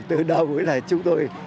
từ đầu chúng tôi